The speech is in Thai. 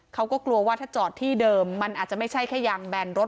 เขาก็กลัวว่าถ้าจอดที่เดิมมันอาจจะไม่ใช่แค่ยางแบนรถ